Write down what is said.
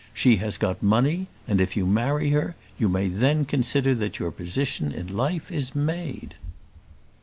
She has got money; and if you marry her, you may then consider that your position in life is made."